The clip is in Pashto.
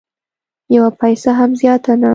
یوه پیسه هم زیاته نه